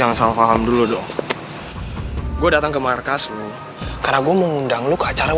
gue gak akan pernah percaya kata kata lo